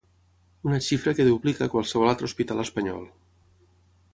Una xifra que duplica qualsevol altre hospital espanyol.